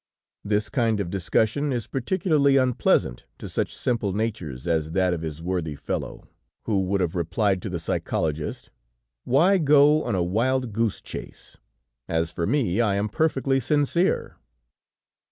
This kind of discussion is particularly unpleasant to such simple natures as that of his worthy fellow, who would have replied to the psychologist. "Why go on a wild goose chase? As for me, I am perfectly sincere."